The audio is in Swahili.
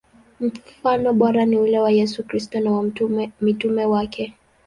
Mfano bora ni ule wa Yesu Kristo na wa mitume wake.